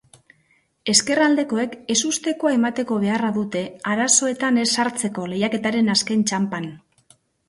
Ezkerraldekoek ezustekoa emateko beharra dute arazoetan ez sartzeko lehiaketaren azken txanpan.